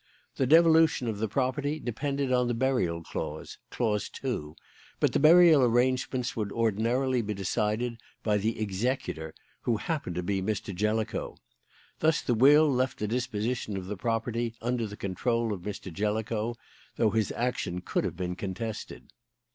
The devolution of the property depended on the burial clause clause two; but the burial arrangements would ordinarily be decided by the executor, who happened to be Mr. Jellicoe. Thus the will left the disposition of the property under the control of Mr. Jellicoe, though his action could have been contested.